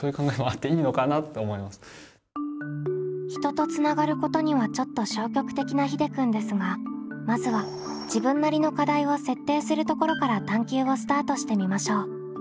人とつながることにはちょっと消極的なひでくんですがまずは自分なりの課題を設定するところから探究をスタートしてみましょう。